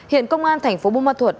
hiện công an thành phố bù ma thuật